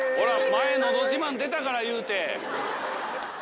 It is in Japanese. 前『のど自慢』出たから言うて。